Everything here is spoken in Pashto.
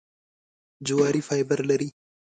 جواري فایبر لري .